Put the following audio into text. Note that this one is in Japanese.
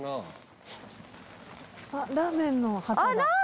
あっラーメンの旗が。